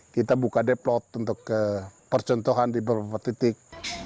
kita buka deplot untuk percontohan di beberapa titik